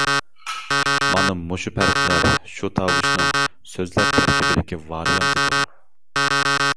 مانا مۇشۇ پەرقلەر شۇ تاۋۇشنىڭ سۆزلەر تەركىبىدىكى ۋارىيانتىدۇر.